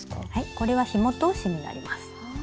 これはひも通しになります。